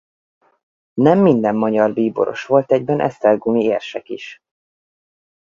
Nem minden magyar bíboros volt egyben esztergomi érsek is.